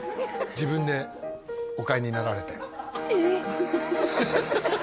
自分でお買いになられてえっ！？